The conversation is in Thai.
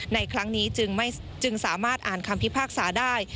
ในครั้งนี้จึงสามารถอ่านคำพิพากษาได้